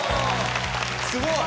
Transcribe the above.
すごい。